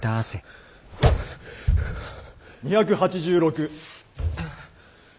２８６。